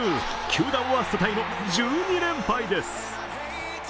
球団ワーストタイの１２連敗です。